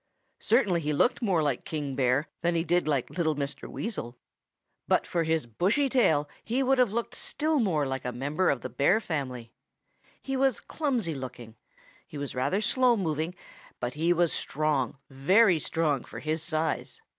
Certainly he looked more like King Bear than he did like little Mr. Weasel. But for his bushy tail he would have looked still more like a member of the Bear family. He was clumsy looking. He was rather slow moving, but he was strong, very strong for his size.